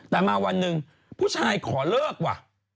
แต่มาวันหนึ่งผู้ชายขอเลิกว่ะ